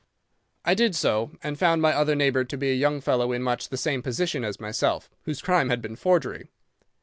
"'I did so, and found my other neighbour to be a young fellow in much the same position as myself, whose crime had been forgery.